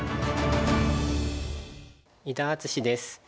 伊田篤史です。